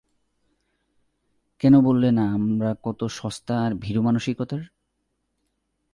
কেন বললেনা আমরা কত সস্তা আর ভীরু মানসিকতার।